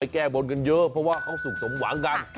แก้บนกันเยอะเพราะว่าเขาสุขสมหวังกัน